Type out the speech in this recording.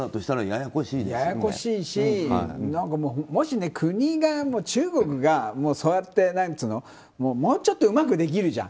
ややこしいしもし中国がそうやってもうちょっとうまくできるじゃん。